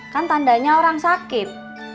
kan tandanya orang sakit